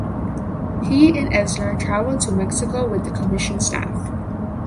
He and Eisner traveled to Mexico with the commission staff.